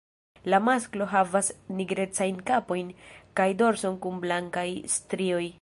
La masklo havas nigrecajn kapon kaj dorson kun blankaj strioj.